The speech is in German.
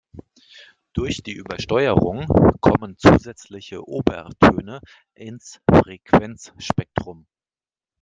Durch die Übersteuerung kommen zusätzliche Obertöne ins Frequenzspektrum.